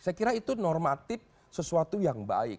saya kira itu normatif sesuatu yang baik